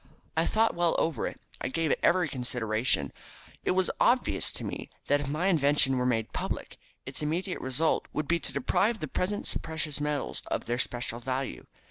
"I thought well over it. I gave it every consideration. It was obvious to me that if my invention were made public, its immediate result would be to deprive the present precious metals of all their special value.